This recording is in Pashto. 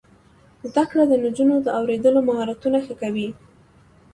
زده کړه د نجونو د اوریدلو مهارتونه ښه کوي.